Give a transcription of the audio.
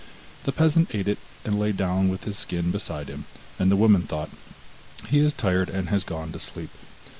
The peasant ate it, and lay down with his skin beside him, and the woman thought: 'He is tired and has gone to sleep.